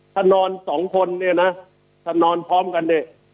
ถ้านอนสองคนเนี่ยนะถ้านอนพร้อมกันเนี่ย